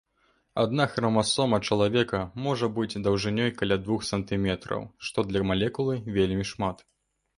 Адна храмасома чалавека можа быць даўжынёй каля двух сантыметраў, што для малекулы вельмі шмат.